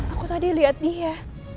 aku tadi lihat dia